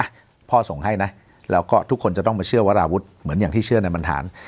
พ่อส่งให้นะแล้วก็ทุกคนจะต้องมาเชื่อวราวุฒิเหมือนอย่างที่เชื่อในบรรหาร